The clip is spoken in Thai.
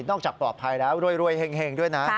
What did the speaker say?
จากปลอดภัยแล้วรวยเห็งด้วยนะ